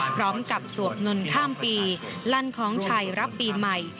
สวดมนต์ข้ามปีลั่นของชัยรับปีใหม่